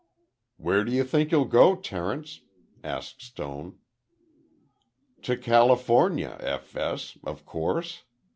"Where do you think you'll go, Terence?" asked Stone. "To California, F. S., of course.